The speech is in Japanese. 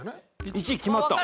１決まった？